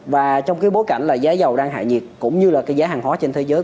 và trong cái bối cảnh là giá dầu đang hạ nhiệt cũng như là cái giá hàng hóa trên thế giới